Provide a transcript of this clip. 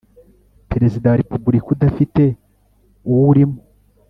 Perezida wa Repubulika udafite uwurimo